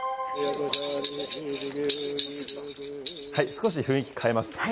少し雰囲気変えます。